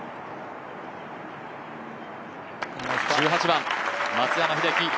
１８番、松山英樹